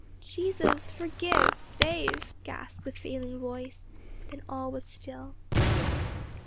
"Jesus forgive save!" gasped the failing voice, then all was still.